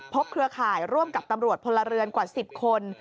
เครือข่ายร่วมกับตำรวจพลเรือนกว่า๑๐คน